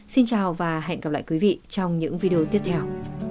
xin chào và hẹn gặp lại quý vị trong những video tiếp theo